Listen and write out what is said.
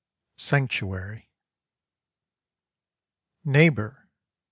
SANCTUARY Neighbour!